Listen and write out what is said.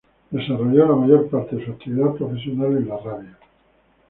Desarrolló la mayor parte de su actividad profesional en la radio.